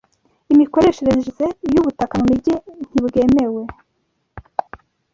imikoreshereze y’ ubutaka mu mijyi ntibwemewe.